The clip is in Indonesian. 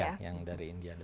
ya yang dari india